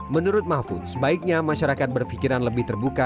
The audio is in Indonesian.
menurut mahfud sebaiknya masyarakat berpikiran lebih terbuka